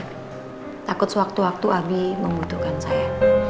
takut sewaktu waktu abi membutuhkan saya